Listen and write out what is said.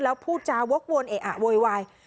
แล้วพูดจาวกวนเออะโวยวาย